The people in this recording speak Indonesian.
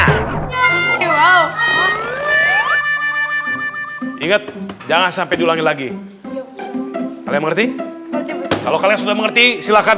ayo ingat jangan sampai diulangi lagi kalian mengerti kalau kalian sudah mengerti silahkan